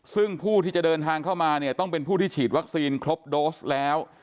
ซึ่งผู้ที่จะเดินทางเข้ามาเนี่ยต้องเป็นผู้ที่ฉีดวัคซีนครบโดสแล้ว